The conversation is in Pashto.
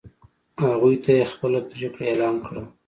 هغوی ته یې خپله پرېکړه اعلان کړه.